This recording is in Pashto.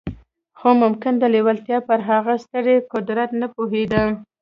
خو ممکن د لېوالتیا پر هغه ستر قدرت نه پوهېده